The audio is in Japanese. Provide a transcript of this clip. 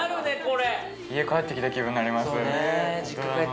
これ・家帰ってきた気分になります